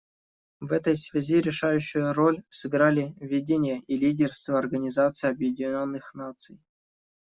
В этой связи решающую роль сыграли видение и лидерство Организации Объединенных Наций.